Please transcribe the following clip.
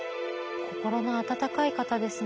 心の温かい方ですね。